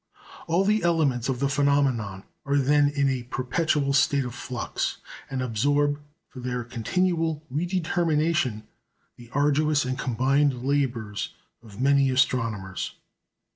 All the elements of the phenomenon are then in a perpetual state of flux, and absorb for their continual redetermination, the arduous and combined labours of many astronomers.